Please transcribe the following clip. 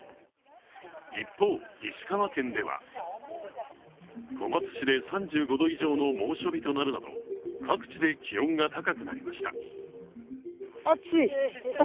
一方、石川県では小松市で３５度以上の猛暑日となるなど各地で気温が高くなりました。